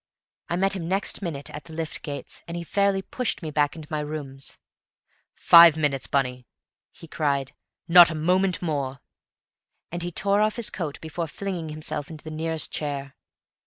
I met him next minute at the lift gates, and he fairly pushed me back into my rooms. "Five minutes, Bunny!" he cried. "Not a moment more." And he tore off his coat before flinging himself into the nearest chair.